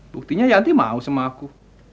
buktinya yanti mau sama aku